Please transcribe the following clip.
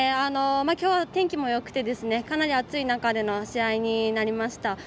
きょうの天気もよくてかなり暑い中での試合になりました。